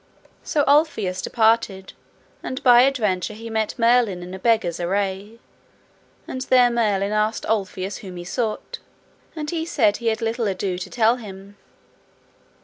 So Ulfius departed, and by adventure he met Merlin in a beggar's array, and there Merlin asked Ulfius whom he sought. And he said he had little ado to tell him.